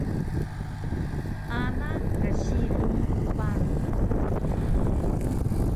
Ana gsilung paru